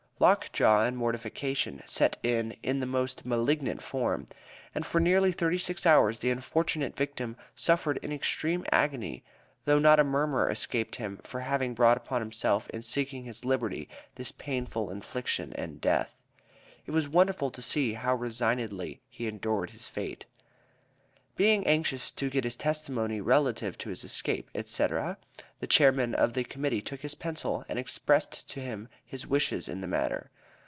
Lockjaw and mortification set in in the most malignant form, and for nearly thirty six hours the unfortunate victim suffered in extreme agony, though not a murmur escaped him for having brought upon himself in seeking his liberty this painful infliction and death. It was wonderful to see how resignedly he endured his fate. Being anxious to get his testimony relative to his escape, etc., the Chairman of the Committee took his pencil and expressed to him his wishes in the matter.